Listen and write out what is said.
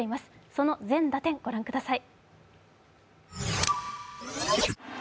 その全打点、ご覧ください。